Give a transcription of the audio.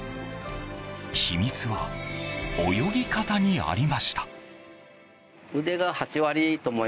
秘密は、泳ぎ方にありました。